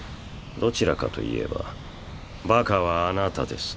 どちらかといえばバカはあなたです。